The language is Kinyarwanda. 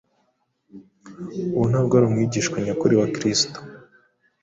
uwo ntabwo ari umwigishwa nyakuri wa kristo.